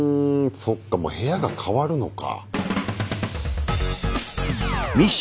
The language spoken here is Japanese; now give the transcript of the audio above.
そっかもう部屋が変わるのか。